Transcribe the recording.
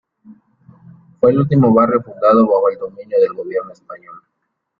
Fue el último barrio fundado bajo el dominio del gobierno español.